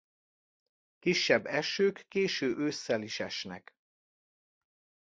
Kisebb esők késő ősszel is esnek.